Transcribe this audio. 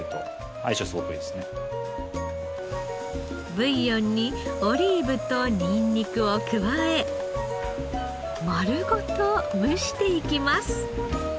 ブイヨンにオリーブとニンニクを加え丸ごと蒸していきます。